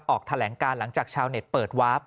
ออกแถลงการหลังจากชาวเน็ตเปิดวาร์ฟ